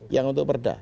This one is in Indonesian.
yang untuk perda